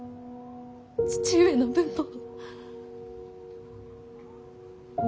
父上の分も。